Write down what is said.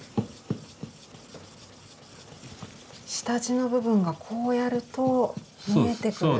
下地の部分がこうやると見えてくる。